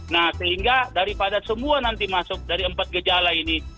nah sehingga daripada semua nanti masuk dari empat gejala ini